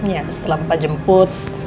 ya setelah papa jemput